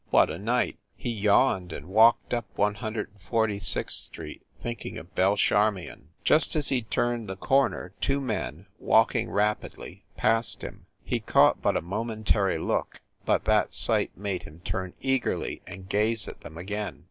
What a night ! He yawned, and walked up One Hundred and Forty sixth Street thinking of Belle Charmion. THE NORCROSS APARTMENTS 263 Just as he turned the corner two men, walking rapidly, passed him. He caught but a momentary look, but that sight made him turn eagerly and gaze at them again.